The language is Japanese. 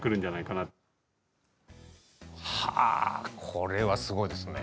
これはすごいですね。